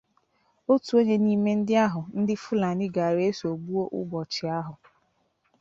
otu onye n'ime ndị ahụ ndị Fulani gara eso gbuo ụbọchị ahụ